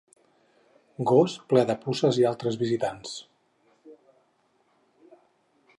Gos ple de puces i altres visitants.